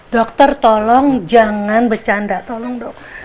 dokter tolong jangan bercanda tolong dok